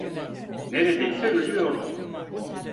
Neredeyse ölüyordun.